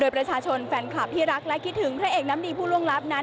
ประชาชนแฟนคลับที่รักและคิดถึงพระเอกน้ำดีผู้ล่วงลับนั้น